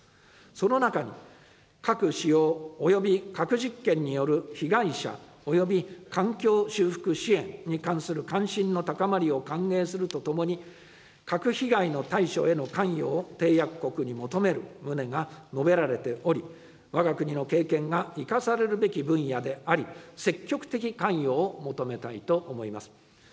その中に、核使用及び核実験による被害者および環境修復支援に関する関心の高まりを歓迎するとともに、核被害の対処への関与を締約国に求める旨が述べられており、わが国の経験が生かされるべき分野であり、積極的関与を求めたいと思います。